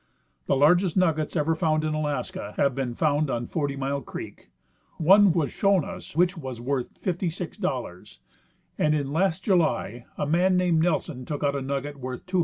The largest nuggets ever found in Alaska have been found on Forty Mile creek ; one was shown us which was worth $56, and in last July a man named Nelson took out a nugget worth $260.